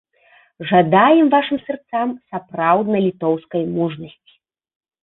Жадаем вашым сэрцам сапраўднай літоўскай мужнасці!